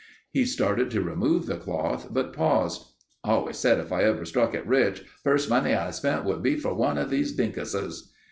He started to remove the cloth, but paused. "Always said if I ever struck it rich, first money I spent would be for one of these dinkuses."